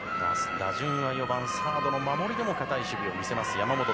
打順は４番、サードでも堅い守備を見せる山本。